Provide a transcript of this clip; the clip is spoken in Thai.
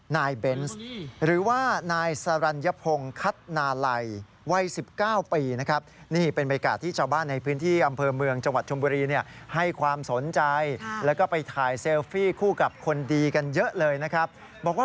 นายเบนส์หรือว่านายสรรยพงศ์คัตนาลัยวัย๑๙ปีนะครับบอกว่า